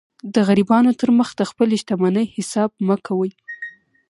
د غریبانو تر مخ د خپلي شتمنۍ حساب مه کوئ!